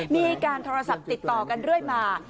มีการโทรศัพท์ติดต่อกันเรื่อยมา